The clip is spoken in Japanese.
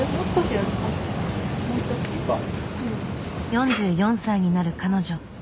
４４歳になる彼女。